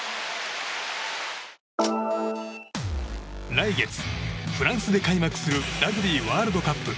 来月フランスで開幕するラグビーワールドカップ。